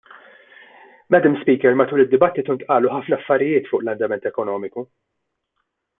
Madam Speaker, matul id-dibattitu ntqalu ħafna affarijiet fuq l-andament ekonomiku.